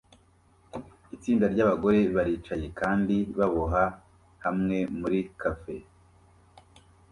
Itsinda ryabagore baricaye kandi baboha hamwe muri cafe